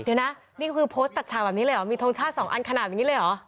เดี๋ยวนะนี่คือโพสต์ตัดฉากแบบนี้เลยเหรอมีทรงชาติสองอันขนาดอย่างนี้เลยเหรอ